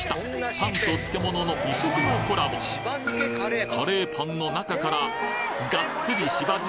パンと漬物の異色のコラボカレーパンの中からがっつりしば漬